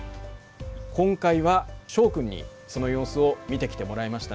今回は昭君にその様子を見てきてもらいましたね。